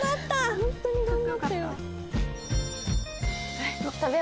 ホントに頑張ったよ。